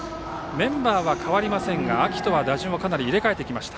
メンバーは変わりませんが秋とは打順をかなり入れ替えてきました。